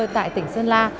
tại tỉnh sơn la